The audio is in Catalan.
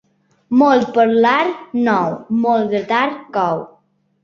Molt parlar nou, molt gratar cou.